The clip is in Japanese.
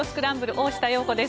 大下容子です。